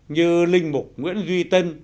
như linh mục nguyễn duy tân